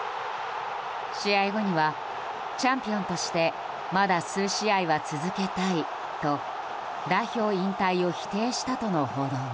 試合後には、チャンピオンとしてまだ数試合は続けたいと代表引退を否定したとの報道も。